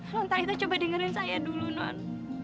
nontalita coba dengerin saya dulu non